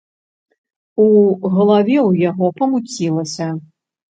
У галаве ў яго памуцілася.